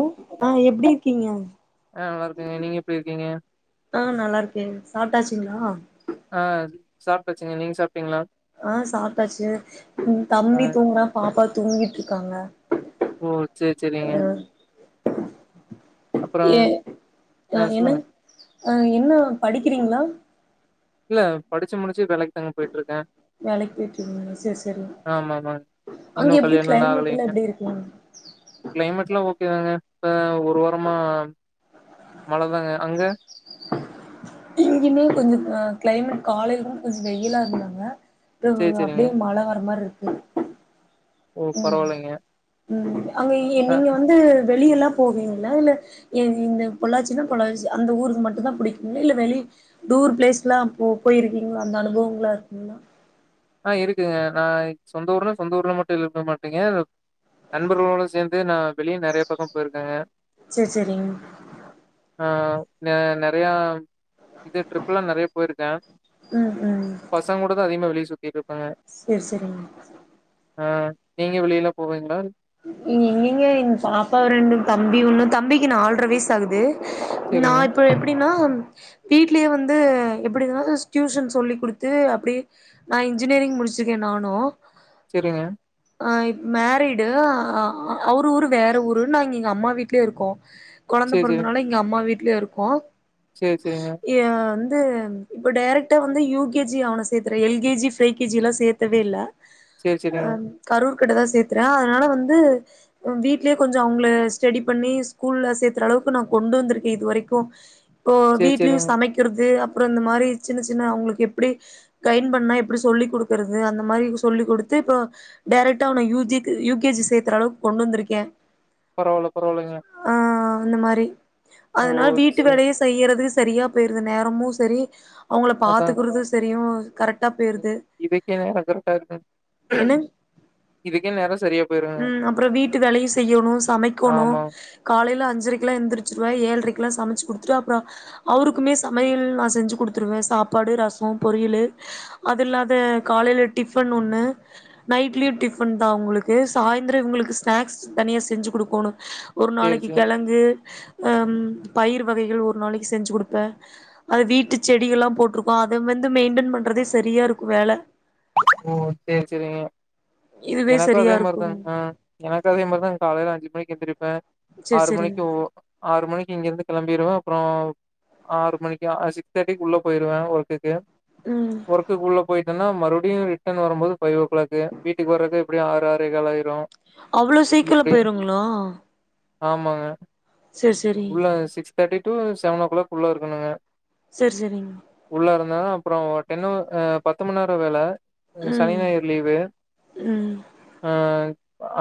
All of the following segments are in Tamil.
ம் ஆ எப்டி இர்க்கீங்கே நல்லா இருக்கேங்க நீங்க எப்டி இருக்கீங்க ஆ நல்லாயிருக்கேன் சப்டாச் தீங்ளா ஆ சாப்ட்டாச்சிங்கே நீங் சாப் ஆ சாப்ட்டாச்சு ம் ஆ தம்பி தூங்குறா பாப்பா தூங்கிட்டுருக்காங்கே ஓ சேர் செரிங்கே ஏ ஆ என்னங் ஆ என்னா படிக்கிறீங்ளா இல்லே படிச்சு முடிச்சு வேலக்கி தாங்கே போயிட்டுருக்கே வேலக்கி போயிட்டுருக்கீங்ளா சேர் செரிங்க ஆமா ஆமாங்க இன்னு அங்கே எப்டி கல்யாணம்லா கிளைமேட் எல்லா ஆகலைங்க எப்டி இருக்குங்கே ஆ ஒரு வாரமா மழதாங்கே அங்கே இங்கீயுமே கொஞ்சம் ஆ கிளைமேட் காலைல்தா கொஞ் வெயிலா இருந்தாங்கே இப்போ சேரி சேரிங்க அப்டியே மழ வர்ர மாரி இருக் ஓ [inaudible] உம் பரவாயில்லைங்க உம் அங்க இ ஆ நீங்க வந்து வெளியல்லாம் போவீங்ளா இல்ல இ இந்த பொள்ளாச்சின்னா பொள்ளச்சி அந்த ஊருக்கு மட்டும் தான் புடிக்கு இல்ல வெளியே டூர் பிளேஸ் எல்லாம் போ போயிருக்கீங்களா அந்த அனுபவங்கலாம் இருக்குங்களா ஆ இருக்குங்க நான் சொந்த ஊர்னா சொந்த ஊர்ல மட்டும் இருக்க மாட்டீங்க நண்பர்களோட சேந்து நா வெளிய நெறைய பக்கோ போயிருக்கங்க சேரி சேரிங்க ஆஹ் ந நெறையா இது ட்ரிப் எல்லாம் நெறையா போயிருக்கேன் ம் பசங்க கூட தான் அதிகமா வெளிய சுத் [unintelligible] செர் செரிங்க ஆஹ் நீங்க வெளியலா போவீங்களா இங்கெங்கங்க எங் பாப்பா ரெண்டும் தம்பி ஒண்ணும் தம்பிக்கு நால்ர வயசு ஆகுது நா சரிங்க, இப்போ எப்டின்னா வீட்லயே வந்து எப்டினாது டியூஷன் சொல்லி குடுத்து அப்டியே நா இன்ஜினியரிங் முடிச்சிருக்கேன் நானு செரிங்க ஆஹ் இப் மேரிட் டு அ அ அவரு ஊரு வேற ஊரு நாங்க எங்க அம்மா வீட்லயே இருக்கோம் கொழந்த பொறந்தனால இங்க அம்மா வீட் ல இருக்கோ செர் செரிங்க எ வந்து இப்போ டேரக்டா வந்து யு கே ஜி அவன சேத்துறே L K G pre K ஜில்லா சேத்தவே இல்ல சரி, சரிங்க. அம் கரூர் இக்கட்ட தா சேத்தே [unintelligible] அதனால வந்து வீட்லயே கொஞ்சோ அவுங்கள ஸ்டடி பண்ணி ஸ்கூல்ல சேர்த்தற அளவுக்கு நா கொண்டு வந்திருக்கேன் இது வரைக்கு இப்போ சரி, வீட்லயும் சரிங்க. சமைக்கிறது அப்புறோ இந்த மாரி சின்ன சின்ன அவுங்களுக்கு எப்டி கைன் பண்ணா எப்டி சொல்லிக் குடுக்கறது அந்த மாரி சொல்லிக் குடுத்து இப்போ டைரக்டா அவன U G U K G சேத்தர அளவுக்கு கொண்டு வந்திருக்கேன் பரவால பரவாலைங்க அந்த மாரி அதனால் வீட்டு வேலையு செய்யறது சரியா போயிருது நேரமும் சரி அவுங்கள அதான். பாத்துக்கறது சரியும் கரெட் இதுக்கே நேரோ கரட்டா இருக்கு என்னங் இதுக்கே நேரோ ச ம் அப்புறோ வீட்டு வேலையும் செய்யோணோ சமைக்கணோ ஆமா. காலைல அஞ்சு அஞ்சரைக்கெலா எந்திருச்சிடுவ ஏழரைக்குலா சமச்சு குடுத்துட்டு அப்புறோ அவருக்குமே சமையல் நா செஞ்சு குடுத்துருவ சாப்பாடு ரசோ பொரியலு அது இல்லாத காலைல டிஃபன் ஒன்னு நைட்லயு டிஃபன்தா அவுங்குளுக் கு சாய்ந்தரோ இவுங்குளுக்கு ஸ்நாக்ஸ் தனியா செஞ்சு குடுக்கணோ ஒரு சரி, நாளைக்கு சரி. கெழங்கு அம் பயிர் வகைகள் ஒரு நாளைக்கு செஞ்சு குடுப்ப அது வீட்டு செடிகலா போட்ருக்கோ அத வந்து மெயின்டென் பண்றதே செரியா இருக்கு வேல ஓ செரி சேரிங்க இதுவே எனக்கோ சரியா அதே மாதிரி இருக்கு தாங்க எனக்கோ அதே மாதிரி தாங்க காலைல அஞ்சு மணிக் எந்திரிப் ப சேர் ஆறு சேரிங்க மணிக்கு ஒ ஆறு மணிக்கு இங்கிருந்து கிளம்பிறுவே அப்புறோ ஆறு மணிக்கு அ சிக்ஸ் தேட்டிக்கு குள்ளே போயிருவ ஒர்க்குக்கு ம் ஒர்க்கக்குள்ள போயிட்டனா அப்படினு ரிட்டர்ன்ரும்போதுஃபைவ் ஓ கிளாக்கு வீக்கு வறது எப்படி ஆறு ஆறேகால் ஆயிரோ அவ்ளோ சீக்கிரோ போயிருங்களா ஆமாங்க செரி சேரி தேர்டி டு செவனோ கிளாக்குள்ள இருக்குனுங்க செரி செரிங்க உள்ள இருந்தா அப்புறோ இன்னோ பத்துமனநேர வேல சனி ம் ஞாயிறு லீவு ம் ஆ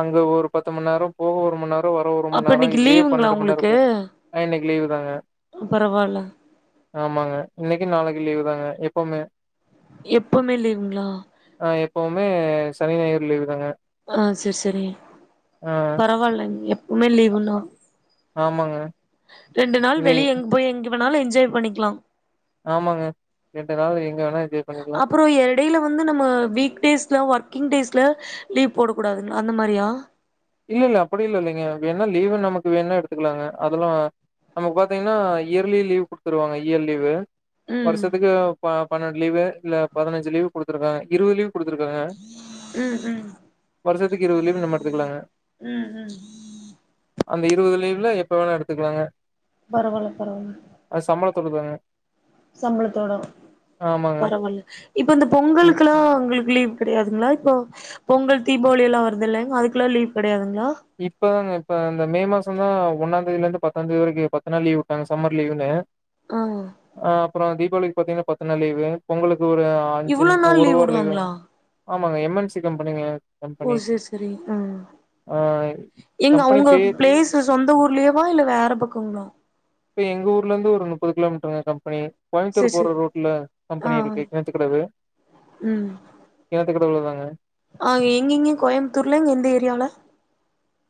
அங்க ஒரு பத்து மண் நேரோ போக ஒரு மண் நேரோ ஒரு மண் அப்ப நேரோ இன்னைக்கு இதுலே லீவுங்களா பன்னெண்டு மணி நேரோ போய் அ இன்னிக் லீவு தாங்க பரவால ஆமாங்க இன்னிக்கு நாளைக்கு லீவு தாங்க எப்பவுமே எப்பவுமே லீவுங்குளா ஆ எப்பவுமே சனி ஞாயிறு லீவு தாங்க ஆ செர் சேரி ஆ பரவாலங்க எப் பவுமே லீவுனா ஆமாங்க. ரெண்டு நாள் இது வெளிய எங்க போய் எங்கப் போனாலோ என்ஜாய் பண்ணிக்கலா ஆமாங்க ரெண்டு நாள் எங் அப்புறோ எடைல வந்து நம்ம வீக்டேஸ்ல ஒர்க் கிங்டேஸ்ல லீவ் போட கூடாதுனு அந்த மாரியா இல்ல இல்ல அப்படி இல் இல்லைங்க வேணா லீவு நமக்கு வேணா எடுத்துக்கலாங்க அதெல்லாம் நமக்கு பாத்தீங்கனா இயர்லி லீவ்குடுத்துருவாங்க இயர் லீவு ம் வருஷத்துக்கு ப பன்னெண்டு லீ் இல்ல பதினஞ்சு லீவு குடுத்துருக்காங்க இருபது லீவு உம் உம் இருபதுலீவு நம்ம எடுத்துக்கலாங்க உம் உம் உம் அந்த இருபது லீவு்ல எப்ப வேணாம் எடுத்துக்கலாங்க பரவால்ல பரவால்ல தொல்லு தாங்க சம்பளத்தோட பரவாயில்ல இப்ப இந்த ம் பொங்கலுக்லா உங்களுக்கு லீவ் கிடையாதுங்களா இப்ப பொங்கல் தீபாவளி எல்லா வருதுல்லங்க அதுக்குலா லீவ் கிடையாதுங் இப்பதாங்க இப்ப இந்த மே மாசம் தான் ஒன்னாம்ந்தேதில இருந்து பத்தாம் தேதி வரை பத்து நாள் லீவு விட்டாங்க சம்மர் லீவுன்னனு ஆஹ் அப்புறம் தீபாவளிக்கு பாத்தீங்கன்னா பத்து நாள் லீவு பொங்கலுக்கு இது ஒரு அஞ்சு இவ்ளோ நாள் ஒரு லீவ் வாரலீவு விடுவாங்களா ஆமாங்க எம்என்சி கம்பெனிங்க ஓ கம்பெனி சரி சரி ஹம் ஆ இங்க கம்பெனி உங்க பேர் பிளேஸ் சொந்த ஊர்லயேவா இல்ல வேற பக்கங்களா இப்ப எங்க ஊர்ல இருந்து ஒரு முப்பது கிலோமீட்டருங்க கம்பெனி சரி கோயம்புத்தூர் போற சரி ரோட்ல கம்பெனி ஆஹ் இருக்கு கிணத்துக்கடவு உம் கிணத்துக்கடவுலதாங்க ஆஹ எங்கங்க கோயம்புத்தூர்ல எந்த ஏரியால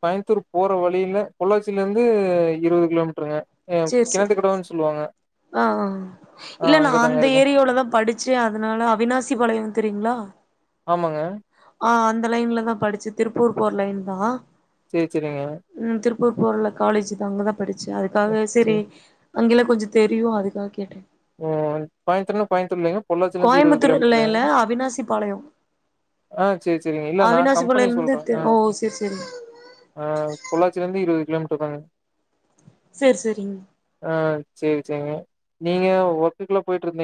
கோயமுத்தூர் போற வழியில பொள்ளாச்சியில இருந்து இருபது கிலோமீட்டருங்க ஆ சரி சரி கிணத்துக்கடவுன்னு சொல்லுவாங்க ஆஹ்ஹ் ஆ இல்ல நான் அங்கதாங்க அந்த இருக்கு ஏரியாலதான் படிச்சேன் அதனால அவினாசி பாளையம் தெரியுங்களா ஆமாங்க ஆஹ் அந்த லைன்ல தான் படிச்சு திருப்பூர் போற லைன் தான் சரி சரிங்க போல காலேஜ் தாங்க தான் படிச்சு அதுக்காக சரி சேரி அங்கலா கொஞ்ச தெரியு அதுக்காக கேட்டேன் ஓஹ் கோயமுத்தூர்னா கோயமுத் இல்லங்க பொள்ளாச்சில இருந்து இருபது கோயம்புத்தூர்ல கிலோமீட்டரு இல்ல அவினாசி பாளையோ ஆஹ் சேரி சேரி இல்ல நா கம்பெனிய அவினாசிபாளையலருந்து சொல்ற திரு ஓ ஆஹ் செரி செரி ஆஹ் பொள்ளாச்சில இருந்து இருபது கிலோமீட் [unintelligible] சரி சரிங்க சரி சரிங்க நீங்க ஒர்க்குக்ல போயிட்டு இருந்த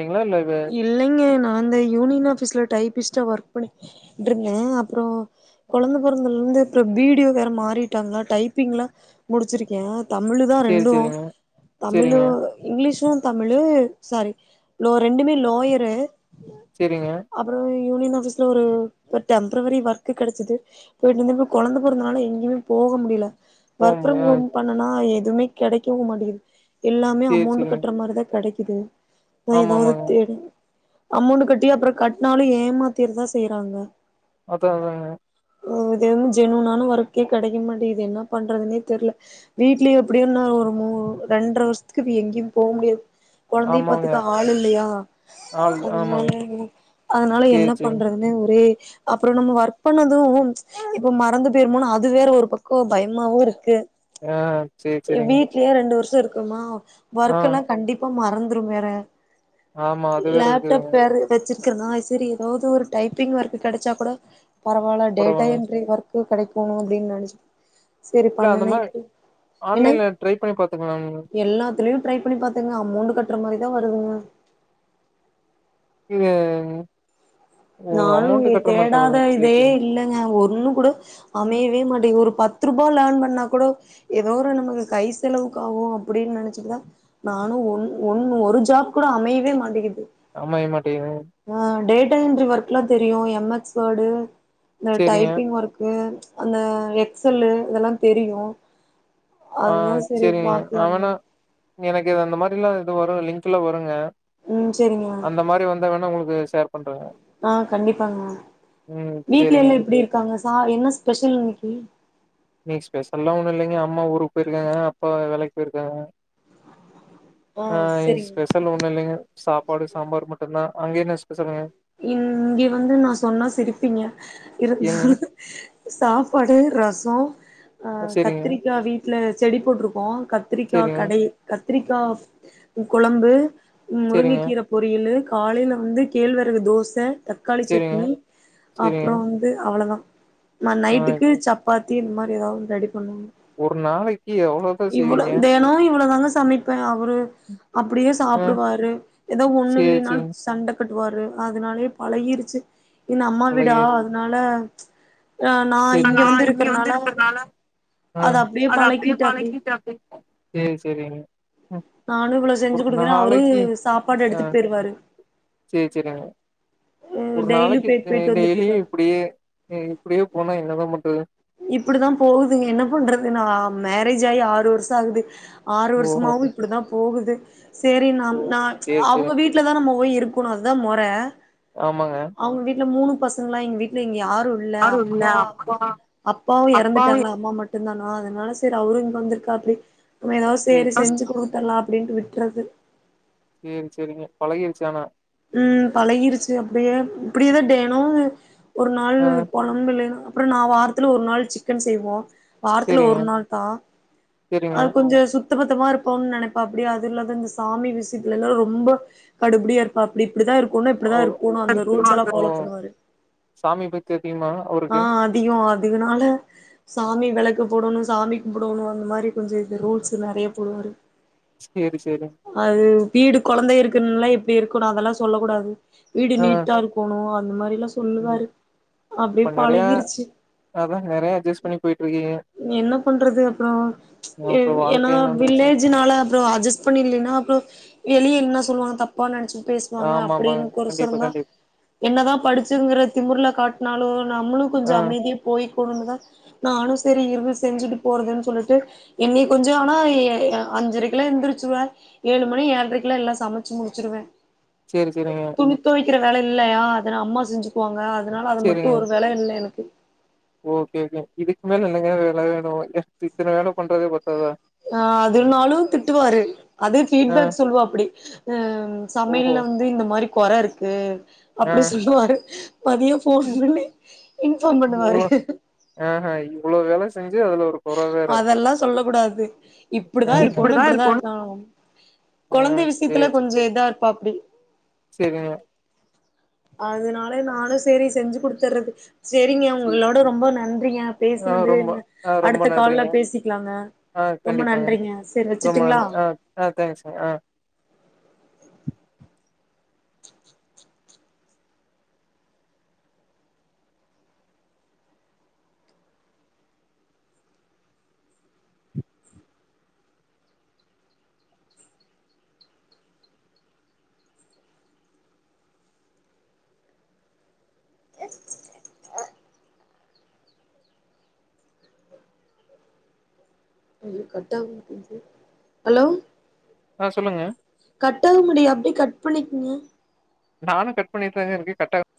இல்லைங்க நா அந்த யூனியன் ஆஃபீஸ்ல டைபிஸ்டா ஒர்க் பண்ணிட்ருந்தே அப்றோ கொழந்த பொறந்தலலிருந்து அப்றோ பி டி ஓ வேற மாறிட்டேங்க டைப்பிங்லா முடிச்சிருக்கே தமிழு தா சேரி ரெண்டு சேரிங்க தமிழு சேரிங்க இங்லீஷு தமிழு சாரி நோ ரெண்டுமே லோயரு செரிங்க அப்புறோ யூனியன் ஆஃபீஸ்ல ஒரு அஹ் டெம்ப்ரவரி ஒர்க்கு கெடச்சது போயிட்டு இருந்தப்ப கொழந்தை பொறந்னால எங்கேயுமே போக முடியல போ வொர்க் ஃப்ரம் முடியா ஹோம் பண்ணனா எது எதுமே கெடைக்கவு மாட்டிங்குது எல்லாமே சேரி அமௌண்டு சேரிங்க கட்ற மாரி தா கெடைக்கு குது ஒ ஆமா எதாவ்து ஆமாங்க தேடி அமௌண்டு கட்டி அப்ற கட்னாலு ஏமாத்திற தா செய்றாங்க அதா நானு உம் இது வரைலு ஜென்நியூனான ஒர்க்கே கெடைக்க மாட்டிங்குது என்ன பண்றதுனே தெர்ல வீட்லே எப்டியும் நா ஒரு மூ ரெண்ட்ர வர்ஷத்துக்கு இப்டி எங்யு போ முடியாது கொழந்தைய ஆமாங்க பாத்துக்க ஆள் இல்லயா ஆள் அதுனால ஆமாங்க எனக் அதுனால சேரி என்ன சேரிங்க பண்றதுனா ப்டி அப்ற நம்ம ஒர்க் பண்ணதும் இப்ப மறந்து போயிருமோனு அது வேற ஒரு பக்க பயமாவு இருக்கு ஆஹ் சேரி சேரிங்க த்திருக்குமா ஆ ஒர்க்குலா கண்டிப்பா மாற் மறந்துற மோறே ஆமா அது வேற இருக்குதுங்க ச்சிருக்கனா செரி எதாவ்து ஒரு டைப்பிங் ஒர்க்கு கெடச்சா கூட பரவால்லா டேட்டா அப்புறம் என்ட்ரி வொர்க் கு கெடைக்கணு அப்டின் நெனச்சு செரி இல்ல அந்த மாரி பண்ணுனேட்டு என்ன ஆன்லைன்ல ட்ரை பண்ணி பாத்துக்கலாம். எல்லாத்துலயு ட்ரை பண்ணி பாத்தேங்க அமௌண்டு கட்ற மாரி தா வருதுங்க உம் நானு தேடாத சேரி இதே சேரிங்க. இல்லங்க ஒர் ஒன்னு கூட அமையவே மாட்டேங்கு ஒரு பத்து ரூபா லார்ன் பண்ணா கூட எதோ ஒரு நமக்கு கை செலவுக்கு ஆகு அப்டின் நெனச்சுதா நானு ஒன் ஒன் ஒரு ஜாப் கூட அமையவே மாட்டிக்கிது அமைய மாட்டிக்கிதா ஆஹ் டேட்டா என்ட்ரி ஒர்க்லா தெரியு எம் எக்ஸ் வேர்டு இந்த சேரிங்க. டைப்பிங் ஒர்க்கு அந்த எக்ஸல்லு இதெல்லா தெரியு ஆ அதுதா செரி செரிங்க நா பாக்கலாங்க வேணா எனக்கு இது அந்த மாரில்லா இது வரும் லிங்க்ல்லா வருங்க ம் செரிங்க அந்த மாரி வந்தா வேணா உங்களுக்கு ஸ் ஆ கண்டிப்பாங்க ம் வீட்ல சேரிங்க. எல்லா எப்டி இருக்காங்க சா என்ன ஸ்பெஷல் இன்னிக்கு இன்னக்கி ஸ்பெஷல்லா ஒன்னு இல்லங்க அம்மா ஊருக்கு போயிருக்காங்க அப்பா வேலைக்கு பேய்ருக்காங்க ஆ ஸ்பெஷல் ஒண்ணு இல்லைங்க சாப்பாடு சாம்பார் மட்டுந்தா அங்க‌என்ன இங்க வந்து நா சொன்னா சிரிப்பிங்க என்னங்க? இருந்தாலு சாப்பாடு ரசோ ஆ சேரிங்க கத்திரிக்கா வீட்ல செடி போட்ருக்கோ கத்திரிக்கா சேரிங்க கடையல் க கத்ரிக்கா கொழம்பு சேரிங்க முருங்கக்கீர பொரியலு காலேல வந்து கேழ்வர ரகு தோச தக்காளி சேரிங்க சட்னி சேரிங்க. அப்றோ வந்து அவ்ளதா நா ஆ நைட்டுக்கு சப்பாத் தி இந்த மாரி ஏதாது ஒன்னு ரெடி பண்ணு ஒரு நாளைக்கு எவ்ளோதா இவ்ளோ செய்வீங்க தெனோ இவ்ளோ தாங்க சமைப்ப அவரு அப்டியே ஆ சாப்டுவாரு ஏதோ ஒண்ணு சேரி இல்லின்னாலு சேரி சண்ட கட்டுவாரு அதனாலயே பழகிருச்சி என்ன அம்மா வீடா பழகி அதனால நா இங்க வந்து இருக்கறனால அத அப்டியே பழக்கிட்டு அப்டியே சேரி சேரிங்க ம் நானு இவ்ளோ செஞ்சு ஒரு குடுக்குற அவரு நாளைக்கு சாப்பாடு ஆ எடுத்துட்டு போயிருவாரு சேரி சேரிங்க ஒரு டெய்லி நாளைக்கு போயிட்டு போயிட்டு வந்துட்டு டெய்லியு இருக்காரு இப்டியே ம் இப்டியே போனா என்னதா பண்றது இப்டிதா போகுதுங்க என்ன பண்றது நா மரேஜ் ஆயி ஆறு வருஷோ ஆகுது ஆறு ஓஹோ வருஷமாவு இப்டி தா போகுது சேரி நா ஓ நா சேரி சேரி அவங்க வீட்ல தா நம்ம போய் இருக்கணு அதுதா மொற ஆமாங்க அவங்க வீட்ல மூணு பசங்கள எங்க வீட்ல இங்க யாரு யாருல்ல அப்பா அப்பாவு எறந்துட்டாங்களா அம்மா மட் மட்டுந்தானா அதனால சரி அவரு இங்க வந்துருக்காப்டி நம்ம ஏதா ஒரு சேரி செஞ்சு குடுத்துரலா அப்டின்ட்டு விட்டுறது சேரி சேரிங்க பழகிருச்சு ஆனா உம் பழகிறிச்சி அப்டியே இப்டியெதா தேனமு ஒரு நாள் ஆ பொழம்பலு எனா அப்புறோ நா வாரத்துல ஒரு நாள் சிக்கன் செய்வோ வாரத்துல சேரிங்க ஒரு நாள் தா சேரிங்க அது கொஞ்சே சு த்த பத்தமா இருப்பம்ன்னு நெனப்பாபடி அது இல்லாத இந்த சாமி விசியத்துல எல்லா ரொம்ப கடுபுடியா இரு ப்பாபடி இப்டித்தா இருக்கணு நா இப்டிதா ஓ இருக்குணு அந்த ரூல்ஸ் எல்லா அதுக்கு ஃபாலோ ஓ பண்ணுவாரு சாமி பத்தி அதிகமா அவருக்கு ஆஹ் அதிகொ அதுனால சாமி வெளக் க்கு போடணு சாமிக்கு போடணு அந்த மாரி கொஞ்சொ இது ரூல்ஸ் நெறைய போடுவாரு சேரி சேரி அது வீடு கொழந்த இருக்கிறனால இப்டி இரு க்கணு அதெல்லா சொல்லக் கூடாது வீடு ஆ நீட்டா இருக்கணு அ ந்த மாரி லா ம் சொல்லுவாரு அப்டியே இப்ப நெறையா பழகிறிச்சி அதா நெறையா அட்ஜஸ்ட் பண்ணி போயிட்ருக்கீங்க என்ன பண்றது அப்புறோ ஏ இப்ப ஏன்னா வாழ்க்கைன்னு வந்துருச்சு வில்லேஜ்னாலே அப்புறோ அஜஸ் பண்ணிலின்னா அப்புறொ எளிய என்ன சொல்லுவாங்க தப்பா நெனச்சு பேசுவாங்க ஆமா ஆமாங்க அப்டின்னு கொசர கண்டிப்பா தா கண்டிப்பா என்னதா படிச்சுங்கிற திமுர்ல காட் நானு நம்மளு கொஞ்சொ ஆ அமைதியா போய் போனுனுதா நானு சரி இருந்து செஞ்சுட்டு போறதுன்னு சொல்லிட்டு என்னி கொஞ்சொ ஆனா ஏ அ அஞ்சரைக்கு எல்லா எந்திரிச்சிருவே ஏழு மணி ஏழரைக்கெல்லா எல்லா சமச்சு முடிச்சிருவே சேரி சேரிங்க கிற வேல இல்லையா அத அம்மா செஞ்சுக்குவாங்க அ தனால அது மட்டு சேரிங்க ஒரு வேல இல்ல எனக்கு ஓகே ஒகே இதுக்கு மேல என்னச்க வேல வேணு எஹ் இத்தன வேல பண்றதே பத் ஆஹ் அதுனாலு திட்டுவாரு அது ஆ ஃபீட்பேக் சொல்லுவாப்படி அஹ் ம் ஓஹோ சமையல்ல வந்து இந்த மாரி கொற இருக்கு ஆ அப்டி சொல்லுவாரு மதியோ ஃபோன் ம். பண்ணி இன்ஃபார்ம் பண்ணுவாரு இவ்ளோ ஆஹ இவ்ளோ வேலஸ் அதெல்லா சொல்ல கூடாது இப்டிதா இருக்குன்ன இப்டித்தா இருந்தானு ஆ கொழந்தெ விஸ்யத்துல கொஞ்ச இதா இரு பாப்டி செரிங்க அதனாலே நானு சேரி செஞ்சு குடுத்தர்றது செரிங்க சேரி உங்களோட ரொம்ப நன்றிங்க ஆ பேசுனது ரொம்ப இந்த ஆ ரொம்ப நன்றிங்க ஆ ரொம்ப கண்டிப்பாங்க நன்றிங்க சேரி ரொம்ப வச்சுட்டுங்களா நன்றி ஆ ஆ தேங்க்ஸ் ஆ அலோ ஆ சொல்லுங்க கட்டாக முடியெ அப்டி கட் பண்ணிக்ங்க நானு கட் பண்ணிட்டு தாங்க இருக்கே கட் ஆக